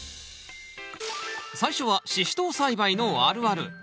最初はシシトウ栽培のあるある。